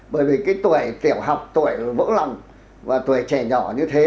bởi vì cái tuổi tiểu học tuổi vỡ lòng và tuổi trẻ nhỏ như thế